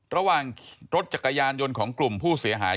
รถจักรยานยนต์ของกลุ่มผู้เสียหาย